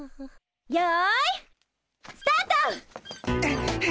よいスタート！